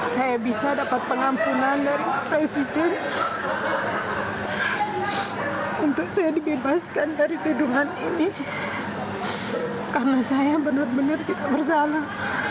saya bisa dapat pengampunan dari presiden untuk saya dibebaskan dari tuduhan ini karena saya benar benar tidak bersalah